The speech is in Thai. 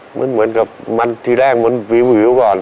เหมือนกับมันทีแรกมันวิวก่อน